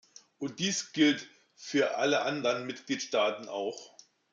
Und dies gilt für alle anderen Mitgliedstaaten auch.